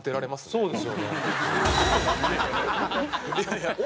そうです。